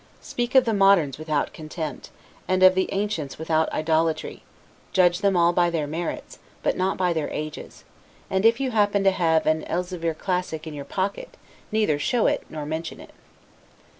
Speak of the moderns without contempt, and of the ancients without idolatry; judge them all by their merits, but not by their ages; and if you happen to have an Elzevir classic in your pocket neither show it nor mention it.